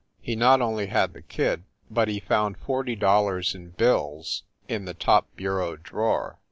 He not only had the kid, but he found forty dollars in bills in the top bureau drawer.